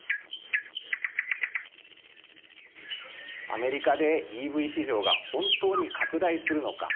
アメリカでＥＶ市場が本当に拡大するのか。